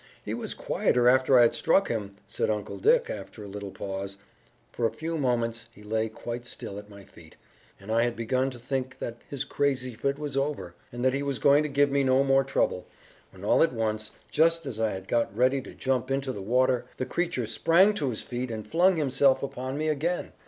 "He was quieter after I had struck him," said Uncle Dick, after a little pause. "For a few moments he lay quite still at my feet, and I had begun to think that his crazy fit was over, and that he was going to give me no more trouble, when all at once, just as I had got ready to jump into the water, the creature sprang to his feet and flung himself upon me again.